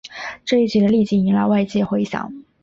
这一决定立即引来外界回响。